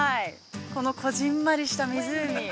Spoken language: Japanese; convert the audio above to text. この小ぢんまりした湖。